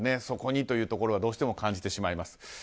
そこにというところはどうしても感じてしまいます。